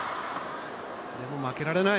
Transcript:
でも、負けられない。